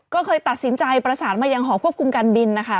ก็เคยตัดสินใจประสานมายังหอควบคุมการบินนะคะ